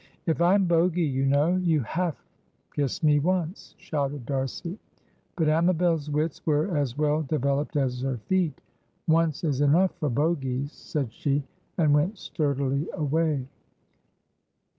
"If I'm Bogy, you know, you have kissed me once," shouted D'Arcy. But Amabel's wits were as well developed as her feet. "Once is enough for bogies," said she, and went sturdily away.